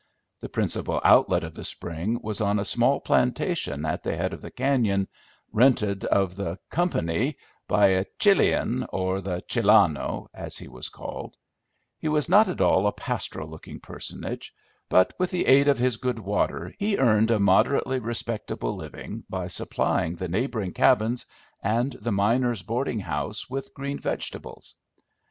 The principal outlet of the spring was on a small plantation at the head of the cañon, rented of the "company" by a Chilian, or "the Chilano," as he was called; he was not at all a pastoral looking personage, but, with the aid of his good water, he earned a moderately respectable living by supplying the neighboring cabins and the miners' boarding house with green vegetables.